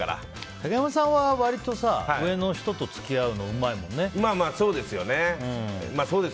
竹山さんは割と上の人と付き合うのそうですよね。